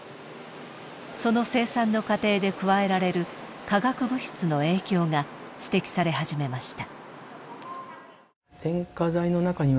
その生産の過程で加えられる化学物質の影響が指摘され始めました。